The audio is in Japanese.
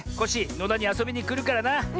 野田にあそびにくるからな。